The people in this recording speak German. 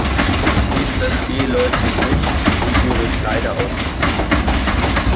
Ich verstehe Leute nicht, die ihre Kleider ausmisten.